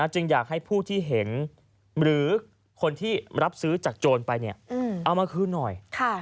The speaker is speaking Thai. จึงอยากให้ผู้ที่เห็นหรือคนที่รับซื้อจากโจรไปเอามาคืนหน่อย